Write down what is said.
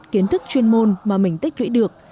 kiến thức chuyên môn mà mình tích lũy được